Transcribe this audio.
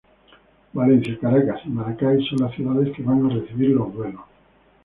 Valencia, Caracas y Maracay son las ciudades que van a recibir los duelos.